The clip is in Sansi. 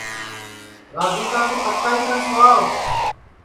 رادھیکا کُو تھپکائی کن سُاو